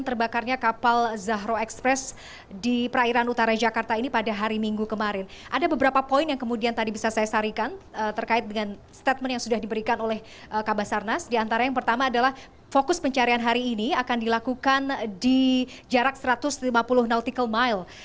terkait dengan statement yang sudah diberikan oleh kabasarnas di antara yang pertama adalah fokus pencarian hari ini akan dilakukan di jarak satu ratus lima puluh nautical mile